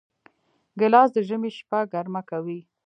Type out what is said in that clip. ګیلاس د ژمي شپه ګرمه کوي.